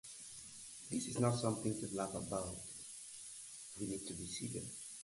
The chauvinist policeman is desperately looking for his wife.